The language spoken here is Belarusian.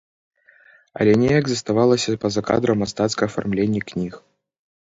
Але неяк заставалася па-за кадрам мастацкае афармленне кніг.